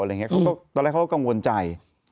ตอนแรกเขาก็กังวลใจ